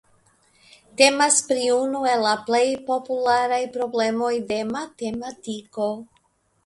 Temas pri unu el la plej popularaj problemoj de matematiko.